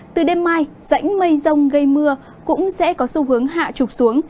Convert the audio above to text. từ đêm mai rãnh mây rông gây mưa cũng sẽ có xu hướng hạ trục xuống